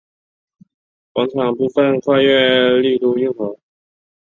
广场部分跨越丽都运河。